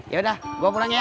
yaudah gue pulang ya